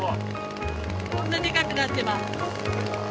こんなでかくなってます。